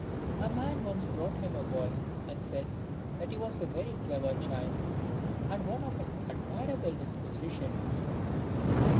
A man once brought him a boy, and said that he was a very clever child, and one of an admirable dis position."